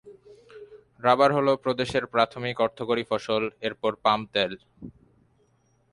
Rubber হল প্রদেশের প্রাথমিক অর্থকরী ফসল, এরপর পাম তেল।